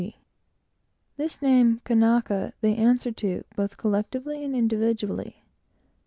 This name, "Kanaka," they answer to, both collectively and individually.